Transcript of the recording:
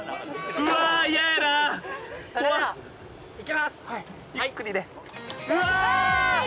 それではいきます。